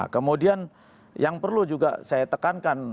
kemudian yang perlu juga saya tekankan